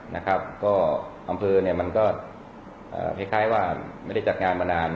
อำเภอมันก็คล้ายว่าไม่ได้จัดงานมานาน